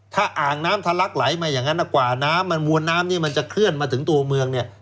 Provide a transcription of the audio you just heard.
ถ้าอ่างน้ำทะลักไหลมาอย่างนั้นกว่าน้ำมันมวลน้ำนี้มันจะเคลื่อนมาถึงตัวเมืองเนี่ย